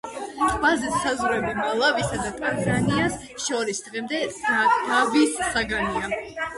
ტბაზე საზღვრები მალავისა და ტანზანიას შორის დღემდე დავის საგანია.